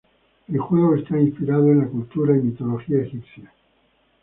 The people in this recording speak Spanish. El juego está inspirado en la cultura y mitología egipcia.